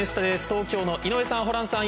東京の井上さん、ホランさん。